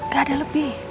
gak ada lebih